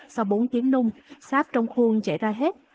sau bốn tiếng nung sáp trong khuôn chảy ra hết